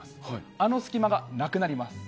あの隙間がなくなります。